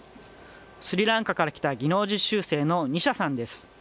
スリランカから来た技能実習生のニシャさんです。